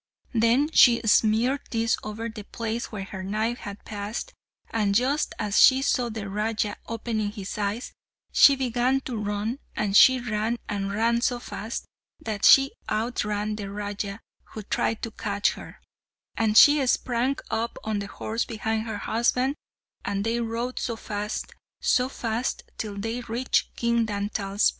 Then she smeared this over the place where her knife had passed, and just as she saw the Raja opening his eyes, she began to run, and she ran, and ran so fast, that she outran the Raja, who tried to catch her; and she sprang up on the horse behind her husband, and they rode so fast, so fast, till they reached King Dantal's palace.